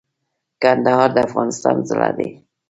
کندهار د افغانستان زړه دي